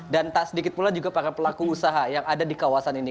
dan tak sedikit pula juga para pelaku usaha yang ada di kawasan ini